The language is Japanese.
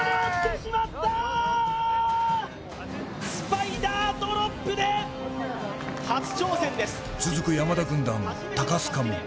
スパイダードロップで続く山田軍団・高須賀も。